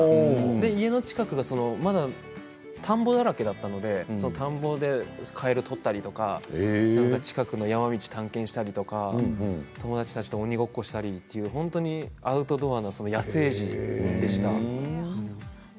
家の近くが田んぼだらけだったので田んぼでカエル取ったりとか近くの山道を探検したりとか友達と鬼ごっこしたりとかアウトドアの野生児でした。